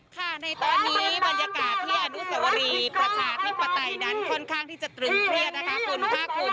ค่ะในตอนนี้บรรยากาศที่อนุสวรีประชาธิปไตยนั้นค่อนข้างที่จะตรึงเครียดนะคะคุณภาคภูมิ